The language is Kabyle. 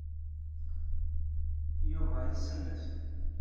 Yuba isemmet.